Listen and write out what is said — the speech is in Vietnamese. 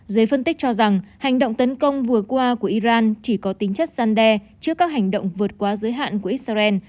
giới phân tích cho rằng hành động tấn công vừa qua của iran chỉ có tính chất gian đe trước các hành động vượt qua giới hạn của israel